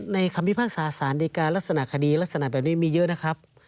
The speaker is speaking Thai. คำพิพากษาสารดีการลักษณะคดีลักษณะแบบนี้มีเยอะนะครับ